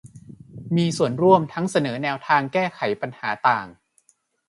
มีส่วนร่วมทั้งเสนอแนวทางแก้ปัญหาต่าง